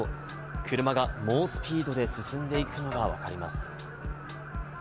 車が猛スピードで進んでいくのがわかります。